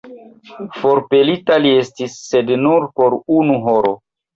Forpelita li estis, sed nur por unu horo.